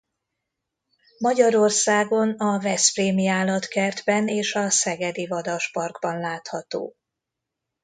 Magyarországon a Veszprémi Állatkertben és a Szegedi Vadasparkban látható.